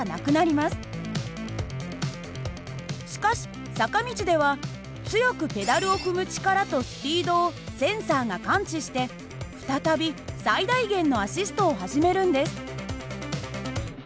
しかし坂道では強くペダルを踏む力とスピードをセンサーが感知して再び最大限のアシストを始めるんです。